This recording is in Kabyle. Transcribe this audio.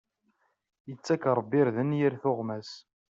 Ittak Rebbi irden i yir tuɣmas.